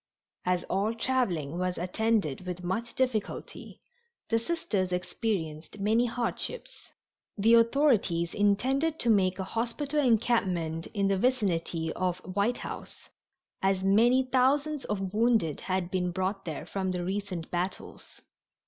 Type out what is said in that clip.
As all traveling was attended with much difficulty, the Sisters experienced many hardships. The authorities intended to make a hospital encampment in the vicinity of White House, as many thousands of wounded had been brought there from the recent battles.